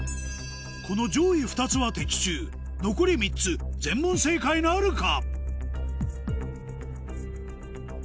この上位２つは的中残り３つ全問正解なるか？